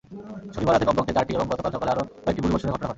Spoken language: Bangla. শনিবার রাতে কমপক্ষে চারটি এবং গতকাল সকালে আরও কয়েকটি গুলিবর্ষণের ঘটনা ঘটে।